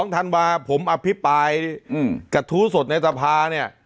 ธันวาผมอภิปรายกระทู้สดในสภาเนี่ย